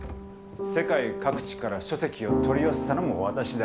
世界各地から書籍を取り寄せたのも私だ。